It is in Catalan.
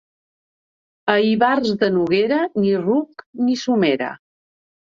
A Ivars de Noguera, ni ruc ni somera.